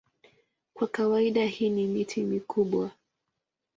Kwa kawaida hii ni miti mikubwa.